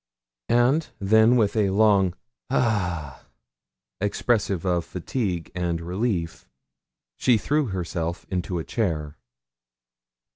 And, then with a long 'ha!' expressive of fatigue and relief, she threw herself into a chair.